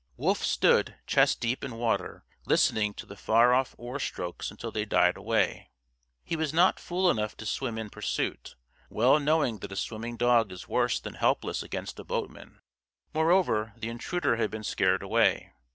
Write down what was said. Wolf stood, chest deep in water, listening to the far off oar strokes until they died away. He was not fool enough to swim in pursuit; well knowing that a swimming dog is worse than helpless against a boatman. Moreover, the intruder had been scared away.